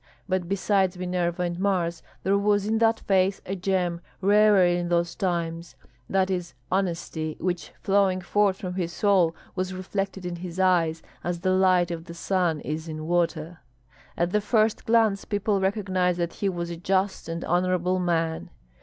But, besides Minerva and Mars, there was in that face a gem rarer in those times; that is honesty, which flowing forth from his soul was reflected in his eyes as the light of the sun is in water. At the first glance people recognized that he was a just and honorable man.